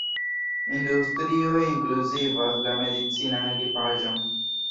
Industrioj inkluzivas la medicinan ekipaĵon.